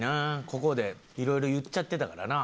ここでいろいろ言っちゃってたからな。